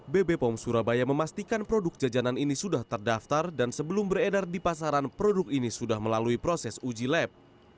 bb pom surabaya memastikan produk jajanan ini sudah terdaftar dan sebelum beredar di pasaran produk ini sudah melalui proses uji lab